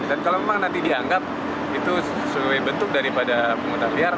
dan kalau memang nanti dianggap itu sesuai bentuk daripada pungutan liar